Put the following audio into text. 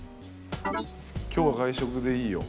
「今日は外食でいいよ！」。